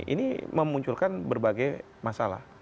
ini memunculkan berbagai masalah